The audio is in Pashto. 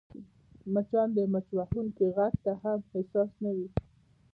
مچان د مچ وهونکي غږ ته هم حساس نه وي